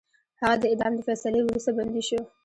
هغه د اعدام د فیصلې وروسته بندي شو.